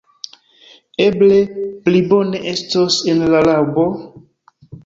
Eble pli bone estos en la laŭbo?